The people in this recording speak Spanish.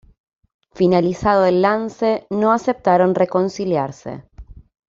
Finalizado el lance, no aceptaron reconciliarse.